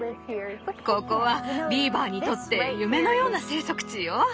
ここはビーバーにとって夢のような生息地よ。